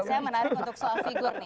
saya menarik untuk soal figur nih